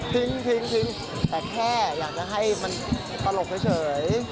แต่แค่อยากจะให้มันปลอดภัยเฉย